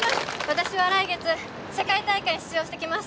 私は来月世界大会出場してきます。